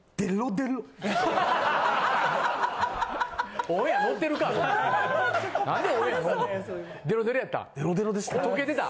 デロデロでした。